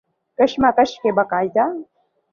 کشمش کے باقاعدہ